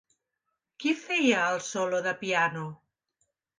Qui feia el solo de piano?